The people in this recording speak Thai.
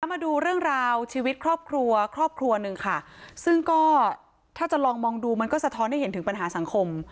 มาดูเรื่องราวชีวิตครอบครัวครอบครัวครอบครัวหนึ่งค่ะซึ่งก็ถ้าจะลองมองดูมันก็สะท้อนให้เห็นถึงปัญหาสังคม